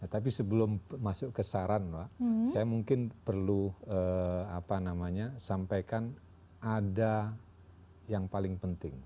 tapi sebelum masuk ke saran pak saya mungkin perlu sampaikan ada yang paling penting